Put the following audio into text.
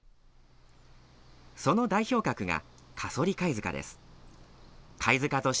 その代表格が加曽利貝塚です。